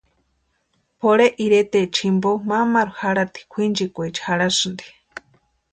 Pʼorhe iretaecha jimpo mamaru jarhati kwʼinchikwaecha jarhasïnti.